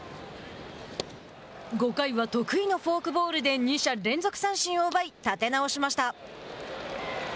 ５回は得意のフォークボールで２者連続三振を奪い立て直しました。